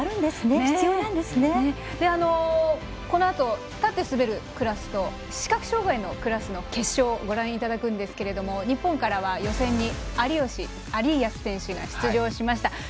このあと立って滑るクラスと視覚障がいのクラスの決勝をご覧いただくんですが日本からは予選に有安選手が出場しました。